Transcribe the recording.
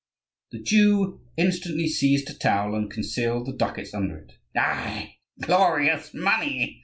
The Jew instantly seized a towel and concealed the ducats under it. "Ai, glorious money!